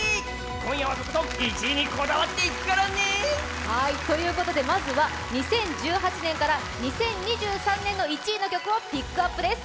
今夜はとことん１位にこだわっていくからね！ということでまずは２０１８年から２０２３年の１位の曲をピックアップです。